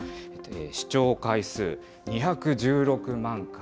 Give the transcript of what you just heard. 視聴回数２１６万回。